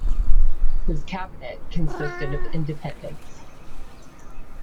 His cabinet consisted of independents.